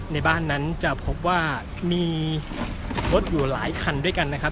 ในบ้านนั้นจะพบว่ามีรถอยู่หลายคันด้วยกันนะครับ